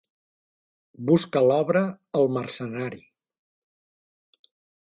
Busca l'obra El mercenari.